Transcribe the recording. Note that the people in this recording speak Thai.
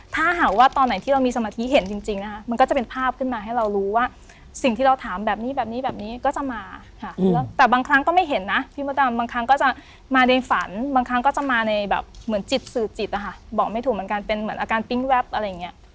ถ้าหากว่าตอนไหนที่เรามีสมาธิเห็นจริงนะคะมันก็จะเป็นภาพขึ้นมาให้เรารู้ว่าสิ่งที่เราถามแบบนี้แบบนี้แบบนี้ก็จะมาค่ะแล้วแต่บางครั้งก็ไม่เห็นนะพี่มดดำบางครั้งก็จะมาในฝันบางครั้งก็จะมาในแบบเหมือนจิตสื่อจิตอะค่ะบอกไม่ถูกเหมือนกันเป็นเหมือนอาการปิ๊งแวบอะไรอย่างเงี้ย